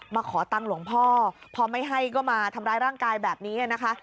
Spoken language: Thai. มาขอตังค์หลวงพ่อพอไม่ให้ก็มาทำร้ายร่างกายแบบนี้นะคะ